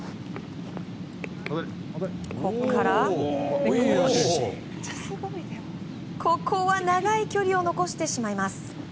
ここは長い距離を残してしまいます。